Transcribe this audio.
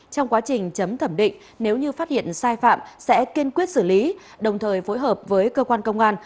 trong quá trình chấm thẩm định nếu như phát hiện sai phạm sẽ kiên quyết xử lý đồng thời phối hợp với cơ quan công an